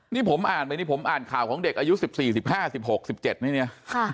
นี่ผมอ่านไปนี่ผมอ่านข่าวของเด็กอายุ๑๔๑๕๑๖๑๗นี่เนี่ย